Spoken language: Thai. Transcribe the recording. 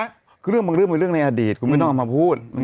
คือเรื่องบางเรื่องเป็นเรื่องในอดีตคุณไม่ต้องเอามาพูด